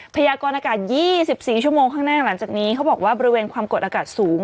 พยากรอากาศ๒๔ชั่วโมงข้างหน้าหลังจากนี้เขาบอกว่าบริเวณความกดอากาศสูง